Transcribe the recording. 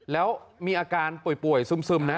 แล้วมีอาการป่วยซึมนะ